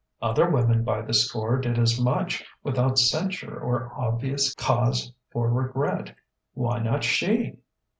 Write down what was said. Other women by the score did as much without censure or obvious cause for regret. Why not she?